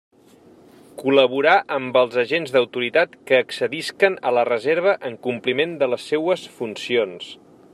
Col·laborar amb els agents d'autoritat que accedisquen a la Reserva en compliment de les seues funcions.